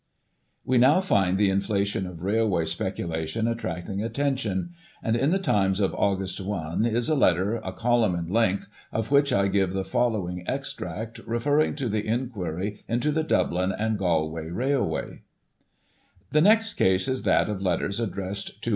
We now find the inflation of Railway speculation attracting attention ; and, in the Times of Aug. i is a letter, a column in length, of which I give the following extract, referring to the inquiry into the Dublin and Galway Railway :" The next case is that of letters addressed to i.